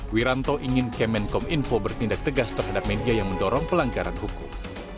wiranto ingin kemenkom info bertindak tegas terhadap media yang mendorong pelanggaran hukum